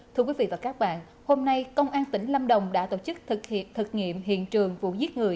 thưa quý vị và các bạn hôm nay công an tỉnh lâm đồng đã tổ chức thực hiện thực nghiệm hiện trường vụ giết người